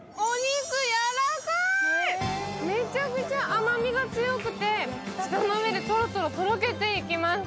めちゃくちゃ甘みが強くて、舌の上でとろとろ、とろけていきます。